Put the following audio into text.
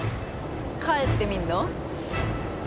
帰ってみるの？